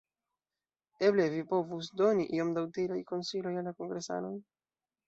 Eble vi povus doni iom da utilaj konsiloj al la kongresanoj?